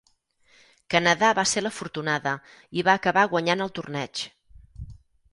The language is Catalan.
Canadà va ser l'afortunada, i va acabar guanyant el torneig.